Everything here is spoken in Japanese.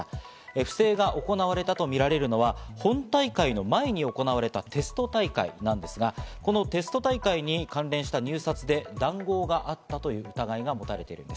不正が行われたとみられるのは本大会の前に行われたテスト大会なんですが、このテスト大会に関連した入札で談合があったという疑いが持たれているんです。